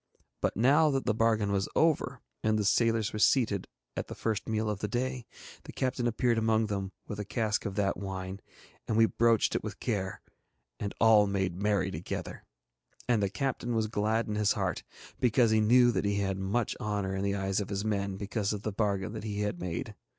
But now that the bargain was over, and the sailors were seated at the first meal of the day, the captain appeared among them with a cask of that wine, and we broached it with care and all made merry together. And the captain was glad in his heart because he knew that he had much honour in the eyes of his men because of the bargain that he had made.